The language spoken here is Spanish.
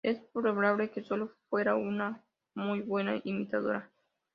Es probable que sólo fuera una muy buena imitadora.